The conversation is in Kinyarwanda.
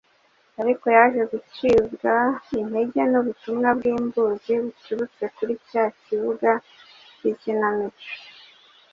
ariko yaje gucibwa intege n’ubutumwa bw’imbuzi buturutse kuri cya kibuga cy’ikinamico.